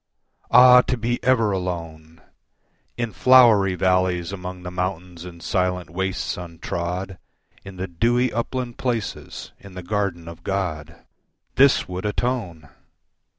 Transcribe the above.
Ah, to be ever alone, In flowery valleys among the mountains and silent wastes untrod, In the dewy upland places, in the garden of God, This would atone!